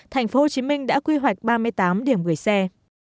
thành phố hồ chí minh đã quy hoạch ba mươi tám điểm gửi xe